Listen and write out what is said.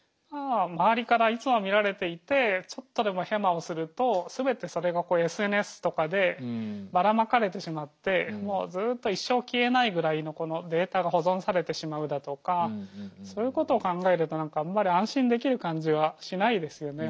周りからいつも見られていてちょっとでもヘマをすると全てそれがＳＮＳとかでばらまかれてしまってもうずっと一生消えないぐらいのこのデータが保存されてしまうだとかそういうことを考えると何かあんまり安心できる感じはしないですよね。